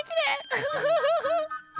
ウフフフフ。